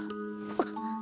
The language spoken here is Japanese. あっ。